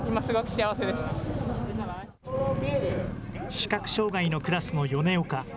視覚障害のクラスの米岡。